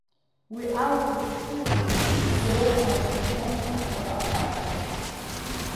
Убри ауаҩ дахьынаҵыслак ицзароуп амагнитофони афотоаппарати.